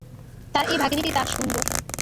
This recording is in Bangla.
তাঁর এই ভাগনিটি তার সুন্দর।